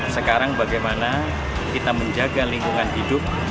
sekarang bagaimana kita menjaga lingkungan hidup